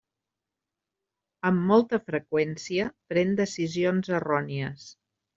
Amb molta freqüència pren decisions errònies.